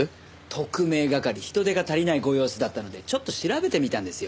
特命係人手が足りないご様子だったのでちょっと調べてみたんですよ。